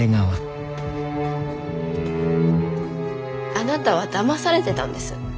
あなたはだまされてたんです。